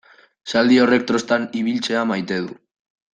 Zaldi horrek trostan ibiltzea maite du.